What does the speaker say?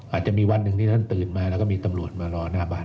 อาจจะมีวันหนึ่งที่ท่านตื่นมาแล้วก็มีตำรวจมารอหน้าบ้าน